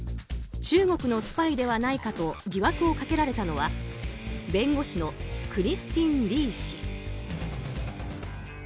中国のスパイではないかと疑惑をかけられたのは弁護士のクリスティン・リー氏。